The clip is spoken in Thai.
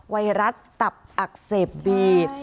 ไวรัสตับอักเสบบีด